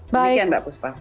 demikian mbak puspa